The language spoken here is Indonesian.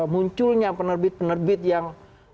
munculnya penerbit penerbit yang